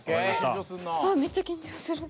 うわぁめっちゃ緊張する。